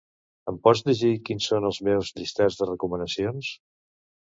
Em pots llegir quins són els meus llistats de recomanacions?